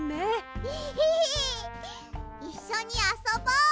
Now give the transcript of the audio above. エヘヘいっしょにあそぼ。